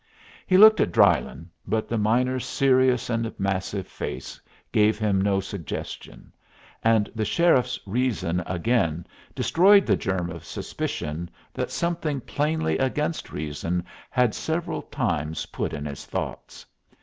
He looked at Drylyn, but the miner's serious and massive face gave him no suggestion; and the sheriff's reason again destroyed the germ of suspicion that something plainly against reason had several times put in his thoughts.